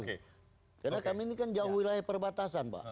karena kami ini kan jauh wilayah perbatasan pak